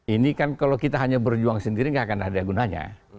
ini kan kalau kita hanya berjuang sendiri nggak akan ada gunanya